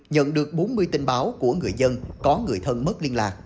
nhận được bốn mươi tin báo của người dân có người thân mất liên lạc